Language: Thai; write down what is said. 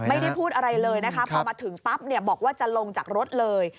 ไม่ได้พูดอะไรเลยนะคะพอมาถึงปั๊บเนี่ยบอกว่าจะลงจากรถเลย